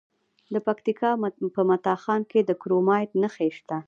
د پکتیکا په متا خان کې د کرومایټ نښې شته.